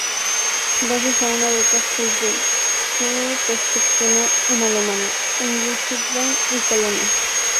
Gracias a una Beca Fulbright se perfeccionó en Alemania, en Wiesbaden y Colonia.